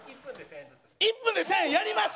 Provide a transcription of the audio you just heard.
１分で１０００円？やります！